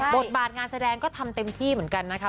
บทบาทงานแสดงก็ทำเต็มที่เหมือนกันนะคะ